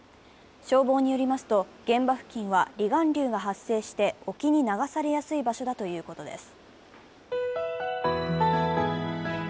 消防によりますと、現場付近は離岸流が発生して沖に流されやすい場所だということです。